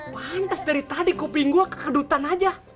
pantes dari tadi kopi gua kekedutan aja